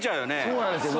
そうなんですよ